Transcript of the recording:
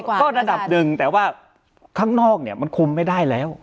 ก็ระดับหนึ่งแต่ว่าข้างนอกเนี่ยมันคุมไม่ได้แล้ว